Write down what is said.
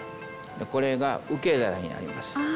これが受け皿になります。